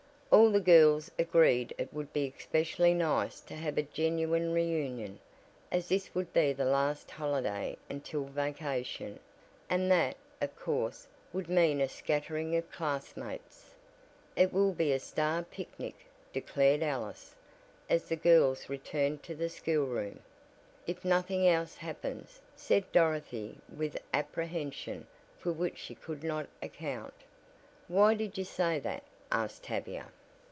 All the girls agreed it would be especially nice to have a genuine reunion, as this would be the last holiday until vacation, and that, of course, would mean a scattering of classmates. "It will be a star picnic," declared Alice, as the girls returned to the school room. "If nothing else happens," said Dorothy with apprehension for which she could not account. "Why did you say that?" asked Tavia.